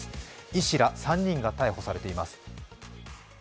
医師ら３人が逮捕されています。